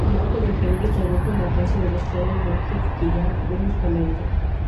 El auge de Genghis redujo el alcance de los clanes Borjigid-Kiyad bruscamente.